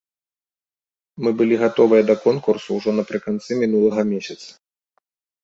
Мы былі гатовыя да конкурсу ўжо напрыканцы мінулага месяца.